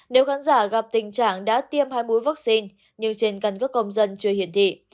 nếu khán giả gặp tình trạng đã tiêm hai mũi vaccine như trên căn cước công dân chưa hiển thị